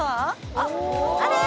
あっあれ？